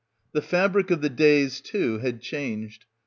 The fabric of the days too had changed.